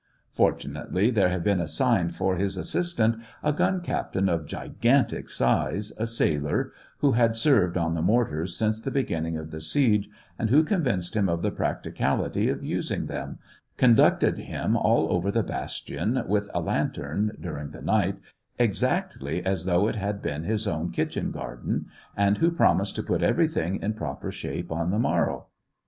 Fortunately, there had been assigned for his assistant a gun captain of gigantic size, a sailor, who had served on the mortars since the begin ning of the siege, and who convinced him of the practicability of using them, conducted him all over the bastion, with a lantern, during the night, exactly as though it had been his own kitchen garden, and who promised to put everything in proper shape on the morrow.